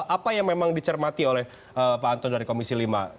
apa yang memang dicermati oleh pak anto dari komisi lima